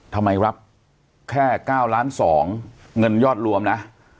ทำไมรับแค่๙ล้าน๒เงินยอดรวมนะ